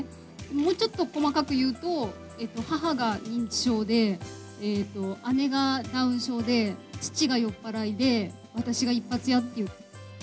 もうちょっと細かく言うと、母が認知症で、姉がダウン症で、父が酔っ払いで、私が一発屋っていう。